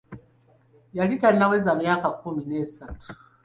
Yali tannaweza myaka kkumi n'esatu.